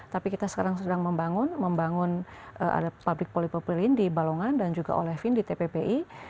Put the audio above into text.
tapi kita sekarang sudah membangun membangun ada public polypropylene di balongan dan juga olefin di tppi